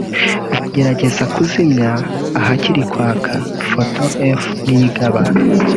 Baragerageza kuzimya ahakiri kwaka/Photo F Niyigaba